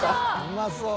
「うまそう！」